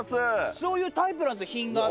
そういうタイプなんです、品があって。